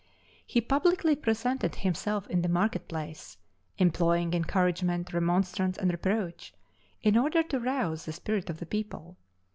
He publicly presented himself in the market place, employing encouragement, remonstrance and reproach, in order to rouse the spirit of the people.